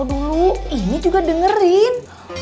tuh ini juga dengerin